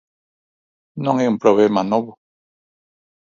Non é un problema novo.